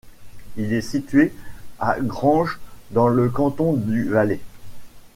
Il est situé à Granges dans le canton du Valais.